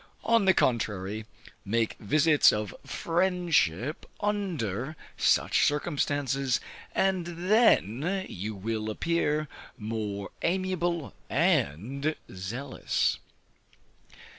On the contrary, make visits of friendship under such circumstances, and then you will appear more amiable and zealous.